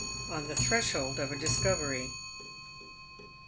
ON THE THRESHOLD OF A DISCOVERY.